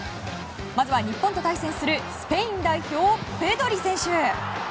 まずは日本と対戦するスペイン代表、ペドリ選手。